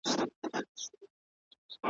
ډېر ویل د قران ښه دي `